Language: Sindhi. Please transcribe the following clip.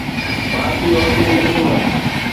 ڀارتي عورتن جي ٽيم